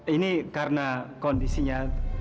ini karena kondisinya